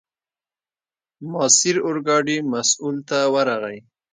ماسیر اورګاډي مسوول ته ورغی.